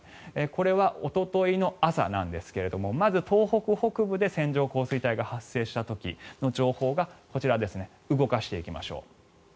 これはおとといの朝なんですがまず東北北部で線状降水帯が発生した時の情報がこちら、動かしていきましょう。